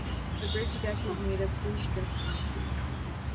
The bridge deck is made of pre-stressed concrete.